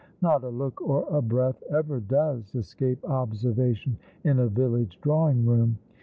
Not a look or a breath ever does escape observation in a village drawing room.